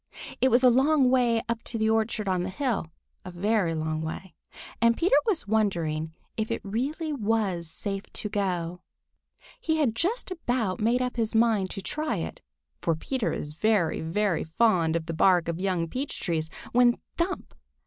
It was a long way up to the orchard on the hill, a very long way, and Peter was wondering if it really was safe to go. He had just about made up his mind to try it, for Peter is very, very fond of the bark of young peach trees, when thump!